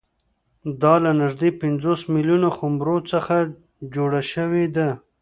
دا له نږدې پنځوس میلیونه خُمرو څخه جوړه شوې ده